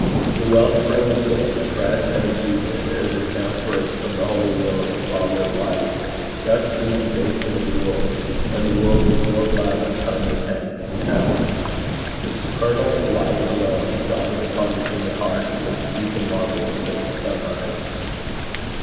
The well spring of day, fresh and exuberant as if now first from the holy will of the Father of Lights, gushed into the basin of the world, and the world was more glad than tongue or pen can tell. The supernal light alone, dawning upon the human heart, can exceed the marvel of such a sunrise.